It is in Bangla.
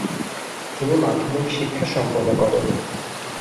তিনি মাধ্যমিক শিক্ষা সম্পন্ন করেন।